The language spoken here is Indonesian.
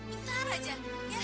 bintar aja ya